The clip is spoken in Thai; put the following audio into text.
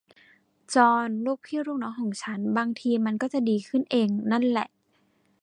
จอห์น ลูกพี่ลูกน้องของฉัน บางที มันก็จะดีขึ้นเองนั้นแหละ